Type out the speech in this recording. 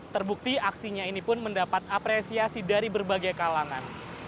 terbukti aksinya ini pun mendapat apresiasi dari berbagai kalangan